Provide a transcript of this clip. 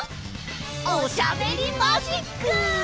おしゃべりマジック！